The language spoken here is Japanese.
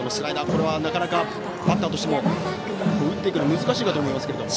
これはなかなかバッターとしても打っていくのが難しいかと思いますけども。